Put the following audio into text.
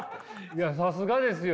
いやさすがですよ。